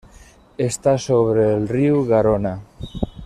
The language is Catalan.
Està sobre el riu Garona.